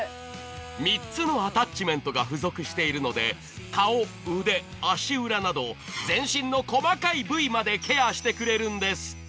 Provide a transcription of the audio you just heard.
３つのアタッチメントが付属しているので顔・腕・足裏など全身の細かい部位までケアしてくれるんです。